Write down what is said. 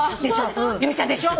由美ちゃんでしょ？